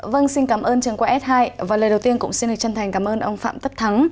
vâng xin cảm ơn trường qua s hai và lời đầu tiên cũng xin được chân thành cảm ơn ông phạm tất thắng